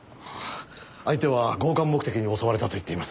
相手は強姦目的で襲われたと言っています。